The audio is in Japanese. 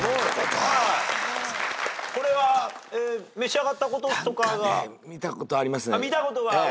これは召し上がったこととかが？